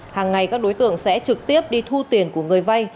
hàng ngày các đối tượng sẽ trực tiếp đi thu tiền của người vay